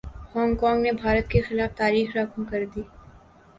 Hong Kong نے بھارت کے خلاف تاریخ رقم کردی